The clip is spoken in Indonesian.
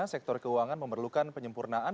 sektor keuangan memerlukan penyempurnaan